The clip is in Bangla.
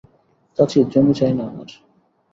চাচী, জমি চাই না আমার।